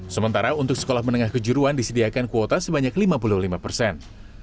sementara untuk sekolah menengah kejuruan disediakan kuota sebanyak lima puluh lima persen